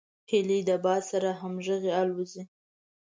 هیلۍ د باد سره همغږي الوزي